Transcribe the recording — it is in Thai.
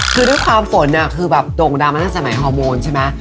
คือด้วยความฝนคือแบบโด่งดังมาตั้งแต่สมัยฮอร์โมนใช่ไหม